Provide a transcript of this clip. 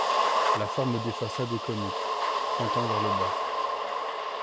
La forme des façades est conique, pointant vers le bas.